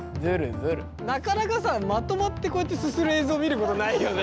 なかなかさまとまってこうやってすする映像見ることないよね。